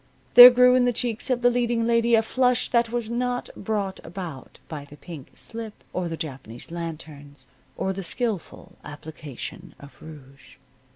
There grew in the cheeks of the leading lady a flush that was not brought about by the pink slip, or the Japanese lanterns, or the skillful application of rouge.